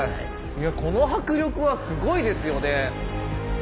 この迫力はすごいですよね。